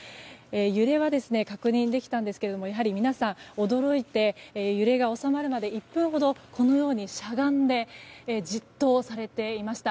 揺れは確認できたんですがやはり皆さん驚いて揺れが収まるまで１分ほどしゃがんでじっとされていました。